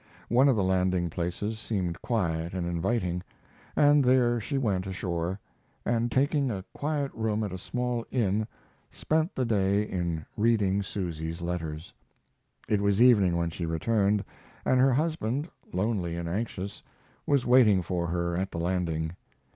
One of the landing places seemed quiet and inviting, and there she went ashore, and taking a quiet room at a small inn spent the day in reading Susy's letters. It was evening when she returned, and her husband, lonely and anxious, was waiting for her at the landing.